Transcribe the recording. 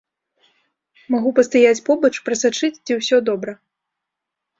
Магу пастаяць побач, прасачыць, ці ўсё добра.